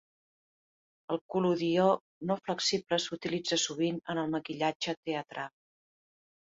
El col·lodió no flexible s'utilitza sovint en el maquillatge teatral.